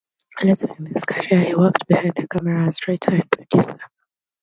Later in his career, he worked behind the camera as writer and producer.